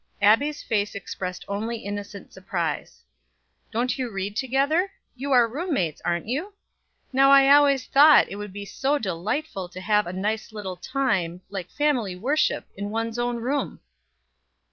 Abbie's face expressed only innocent surprise "Don't you read together? You are roommates, aren't you? Now I always thought it would be so delightful to have a nice little time, like family worship, in one's own room."